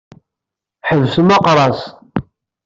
Ḥebsem aqras.